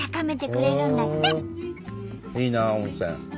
いいなあ温泉。